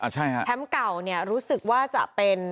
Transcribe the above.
ใช่ค่ะแชมป์เก่าเนี่ยรู้สึกว่าจะเป็น